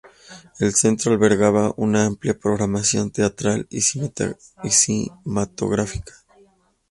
El centro albergaba una amplia programación teatral y cinematográfica.